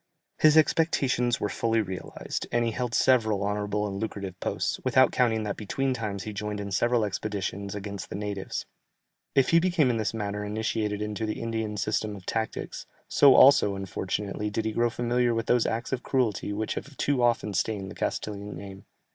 His expectations were fully realized, and he held several honourable and lucrative posts, without counting that between times he joined in several expeditions against the natives. If he became in this manner initiated into the Indian system of tactics, so also, unfortunately, did he grow familiar with those acts of cruelty which have too often stained the Castilian name.